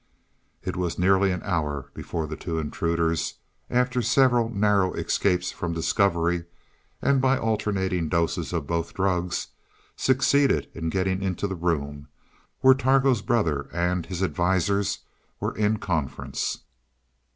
It was nearly an hour before the two intruders, after several narrow escapes from discovery, and by alternating doses of both drugs, succeeded in getting into the room where Targo's brother and his advisers were in conference.